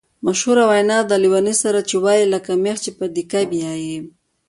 مشهوره وینا ده: لېوني سره یې چې وایې لکه مېخ په تیګه بیایې.